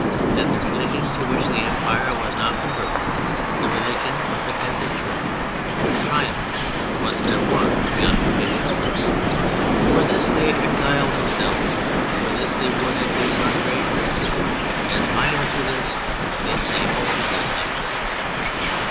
That the religion to which the Empire was now converted, the religion of the Catholic Church, should triumph, was their one preoccupation. For this they exiled themselves; for this they would and did run great risks; as minor to this they sank all other things.